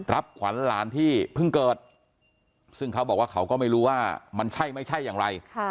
ขวัญหลานที่เพิ่งเกิดซึ่งเขาบอกว่าเขาก็ไม่รู้ว่ามันใช่ไม่ใช่อย่างไร